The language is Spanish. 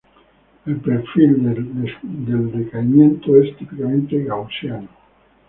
El perfil de decaimiento es típicamente Gaussiano.